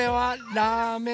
ラーメン？